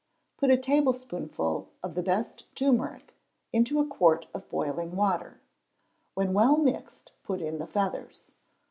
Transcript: Put a tablespoonful of the best turmeric into a quart of boiling water; when well mixed put in the feathers.